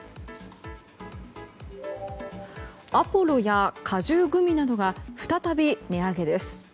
アポロや果汁グミなどが再び値上げです。